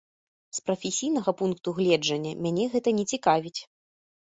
З прафесійнага пункту гледжання мяне гэта не цікавіць.